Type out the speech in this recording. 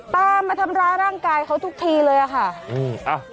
มาทำร้ายร่างกายเขาทุกทีเลยอะค่ะ